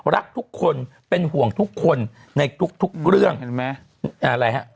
รักทุกคนเป็นห่วงทุกคนในทุกทุกเรื่องเห็นไหมอะไรฮะ